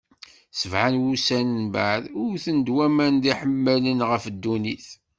Sebɛa n wussan mbeɛd, wten-d waman d iḥemmalen ɣef ddunit.